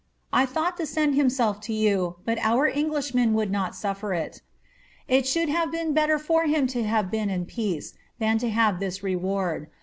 I thought to send himself to you, but our Englishmen would not arfEer iL It sboold haTO been better fbr him to have been in peace, than to kave this vewaid.